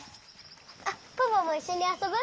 あっポポもいっしょにあそぶ？